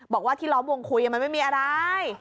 บอกว่าที่ล้อมวงคุยมันไม่มีอะไร